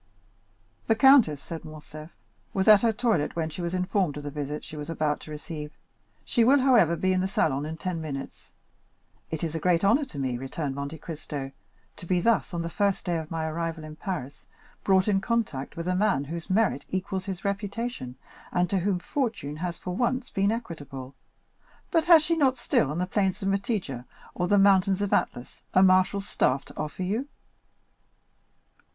"The countess," said Morcerf, "was at her toilet when she was informed of the visit she was about to receive. She will, however, be in the salon in ten minutes." "It is a great honor to me," returned Monte Cristo, "to be thus, on the first day of my arrival in Paris, brought in contact with a man whose merit equals his reputation, and to whom fortune has for once been equitable, but has she not still on the plains of Mitidja, or in the mountains of Atlas, a marshal's staff to offer you?"